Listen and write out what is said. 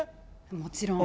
もちろん。